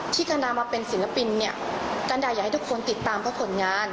กันดามาเป็นศิลปินเนี่ยกันดาอยากให้ทุกคนติดตามเพราะผลงาน